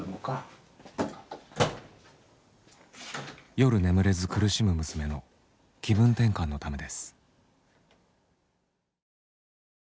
夜眠れず苦しむ娘の気分転換のためです。